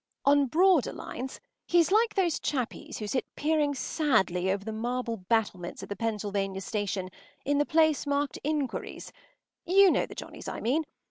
On broader lines he’s like those chappies who sit peering sadly over the marble battlements at the Pennsylvania Station in the place marked “Inquiries.” You know the Johnnies I mean.